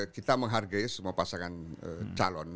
kita menghargai semua pasangan calon